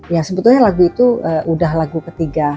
ya sebetulnya lagu itu udah lagu ketiga